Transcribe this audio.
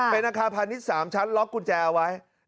เป็นอาคารพาณิชย์๓ชั้นล็อกกุญแจเอาไว้